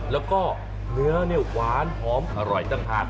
แล้วก็เนื้อหวานหอมอร่อยต่างหาก